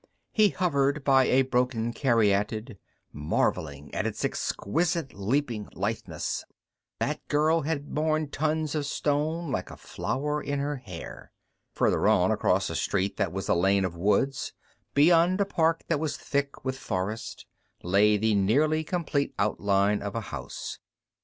He hovered by a broken caryatid, marveling at its exquisite leaping litheness; that girl had borne tons of stone like a flower in her hair. Further on, across a street that was a lane of woods, beyond a park that was thick with forest, lay the nearly complete outline of a house.